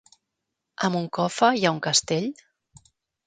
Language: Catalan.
A Moncofa hi ha un castell?